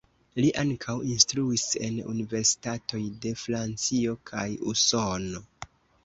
Li ankaŭ instruis en universitatoj de Francio kaj Usono.